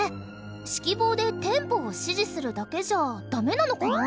指揮棒でテンポを指示するだけじゃダメなのかな？